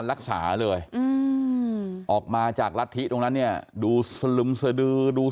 คือเขาบอกว่าพระบิดาเนี่ยคือพ่อของพระเยซู